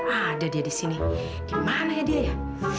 gak ada dia di sini di mana dia ya